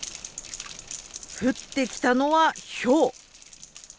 降ってきたのはひょう。